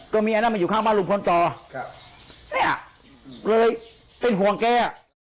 ก็เมียนั้นมาอยู่ข้างบ้านลุงพลต่อครับเนี่ยเลยเป็นห่วงแกอ่ะ